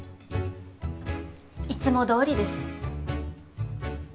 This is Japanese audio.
いつもどおりです。